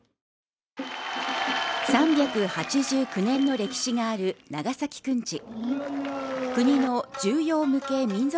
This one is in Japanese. ３８９年の歴史がある長崎くんち国の重要無形民俗